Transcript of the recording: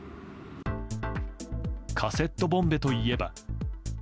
カセットボンベといえば。